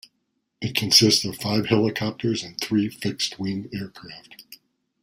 It consists of five helicopters and three fixed-wing aircraft.